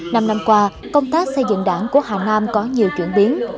năm năm qua công tác xây dựng đảng của hà nam có nhiều chuyển biến